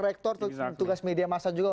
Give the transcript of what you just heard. rektor tugas media masa juga